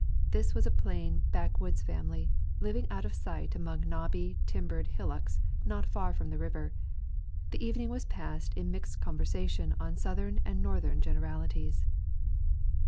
This was a plain back woods family, living out of sight among knobby timbered hillocks not far from the river. The evening was passed in mixed conversation on southern and northern generalities.